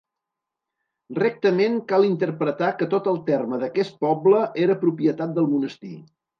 Rectament cal interpretar que tot el terme d'aquest poble era propietat del monestir.